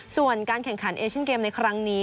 ส่วนการแข่งขันเอเชียนเกมในครั้งนี้